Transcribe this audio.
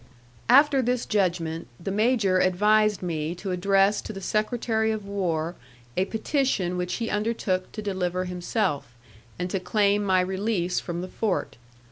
After this judgment, the major advised me to address to the secretary of war a petition which he undertook to deliver himself, and to claim my release from the fort.